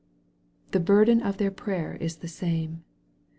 The burden of their prayer is the same.